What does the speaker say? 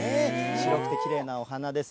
白くてきれいなお花です。